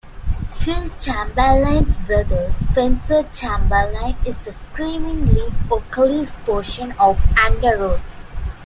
Phil Chamberlain's brother, Spencer Chamberlain, is the screaming lead vocalist portion of Underoath.